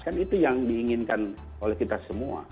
kan itu yang diinginkan oleh kita semua